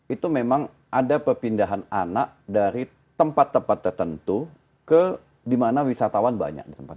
itu memang ada pemindahan anak dari tempat tempat tertentu ke dimana wisatawan banyak di tempat